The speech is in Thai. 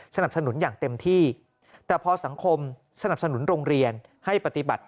สนับสนุนอย่างเต็มที่แต่พอสังคมสนับสนุนโรงเรียนให้ปฏิบัติ